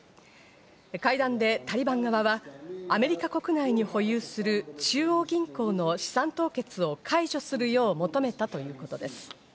会談でタリバン側はアメリカ国内に保有する中央銀行の資産凍結を解除するよう求めたということです。